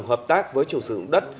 hợp tác với chủ xưởng đất